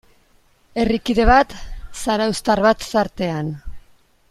Herrikide bat, zarauztar bat tartean.